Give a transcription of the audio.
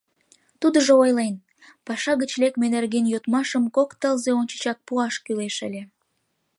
Тудыжо ойлен: «Паша гыч лекме нерген йодмашым кок тылзе ончычак пуаш кӱлеш ыле.